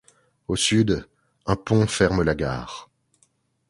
Au sud, un pont ferme la gare.